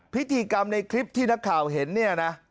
พิธีกรรมในคลิปที่นักข่าวเห็นเนี่ยนะ